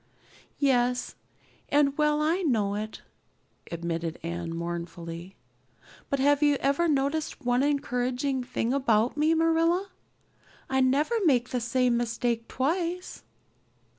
"Yes, and well I know it," admitted Anne mournfully. "But have you ever noticed one encouraging thing about me, Marilla? I never make the same mistake twice."